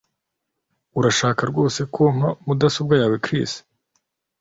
Urashaka rwose ko mpa mudasobwa yawe Chris